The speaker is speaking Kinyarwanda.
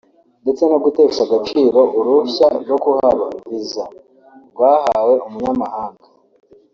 ndetse no gutesha agaciro uruhushya rwo kuhaba (Visa) rwahawe umunyamahanga